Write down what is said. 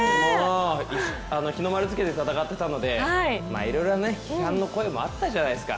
日の丸つけて戦ってたのでいろいろ批判の声もあったじゃないですか。